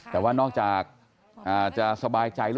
แต่ว่านอกจากจะสบายใจ